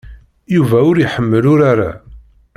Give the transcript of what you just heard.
Yuba ur iḥemmel urar-a.